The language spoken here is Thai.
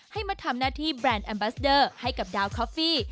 ให้มาทำหน้าที่แบรนด์แอมบัสเดอร์ให้กับดาวคอฟฟี่